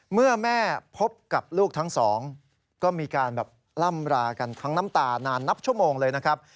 เมื่อแม่พบกับลูกทั้งสองก็มีการแบบล่ำรากันทั้งน้ำตานานนับชั่วโมงเลยนะครับ